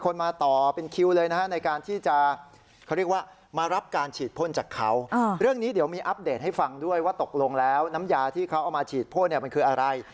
น้ำยาที่เขาเอามาฉีดโพ่นมันคืออะไร